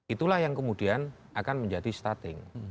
itulah yang kemudian akan menjadi starting